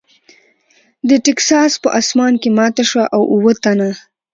د ټیکساس په اسمان کې ماته شوه او اووه تنه .